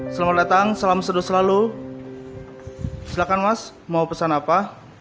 selamat datang salam seduh selalu silakan mas mau pesan apa